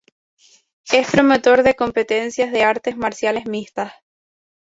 Es promotor de competencias de Artes marciales mixtas.